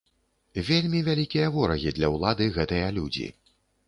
Вельмі вялікія ворагі для ўлады гэтыя людзі!